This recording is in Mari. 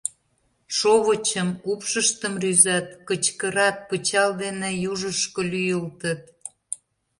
Шовычым, упшыштым рӱзат, кычкырат, пычал дене южышко лӱйылтыт.